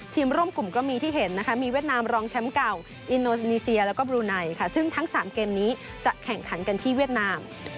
ทีมร่วมกลุ่มก็มีที่เห็นนะคะมีเวียดนามรองแชมป์เก่าอินโดนีเซียแล้วก็บลูไนค่ะซึ่งทั้ง๓เกมนี้จะแข่งขันกันที่เวียดนาม